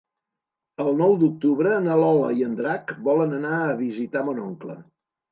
El nou d'octubre na Lola i en Drac volen anar a visitar mon oncle.